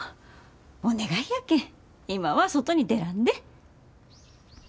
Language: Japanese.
お願いやけん今は外に出らんで。